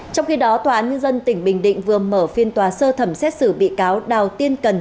trong khi đó tòa án nhân dân tỉnh bình định vừa mở phiên tòa sơ thẩm xét xử bị cáo đào tiên cần